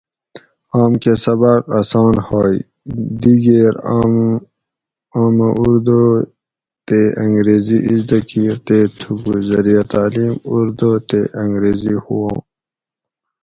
اوم کۤہ سباۤق اسان ہُوئیں۔ دِگیر آمہ اردو تے انگریزی ازدہ کِیر تے تُھکو زریعہ تعلیم اردو تے انگریزی ہُواۤں۔